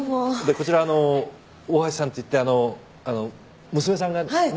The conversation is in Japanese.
でこちらあのう大橋さんっていってあのう娘さんがね。